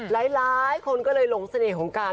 หลายคนก็เลยหลงเสน่ห์ของการ